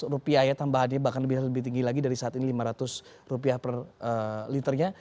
lima ratus rupiah ya tambahannya bahkan bisa lebih tinggi lagi dari saat ini lima ratus rupiah per liternya